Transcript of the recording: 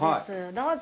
どうぞ。